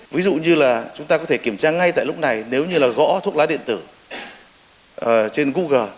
ví dụ như là chúng ta có thể kiểm tra ngay tại lúc này nếu như là gõ thuốc lá điện tử trên google